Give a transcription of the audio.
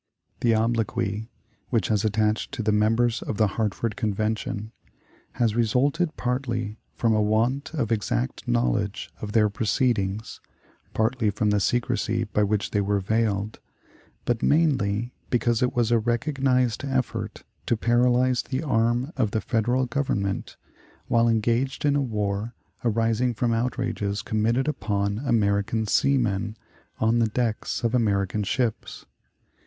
The obloquy which has attached to the members of the Hartford Convention has resulted partly from a want of exact knowledge of their proceedings, partly from the secrecy by which they were veiled, but mainly because it was a recognized effort to paralyze the arm of the Federal Government while engaged in a war arising from outrages committed upon American seamen on the decks of American ships.